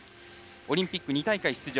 オリンピック２大会出場